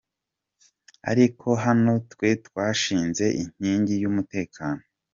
Ariko hano twe twashinze inkingi y'umutekano".